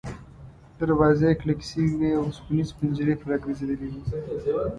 دروازې یې کلکې شوې وې او اوسپنیزې پنجرې پرې را ګرځېدلې وې.